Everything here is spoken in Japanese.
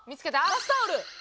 「バスタオル」！